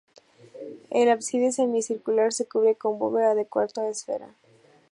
El ábside, semicircular, se cubre con bóveda de cuarto de esfera.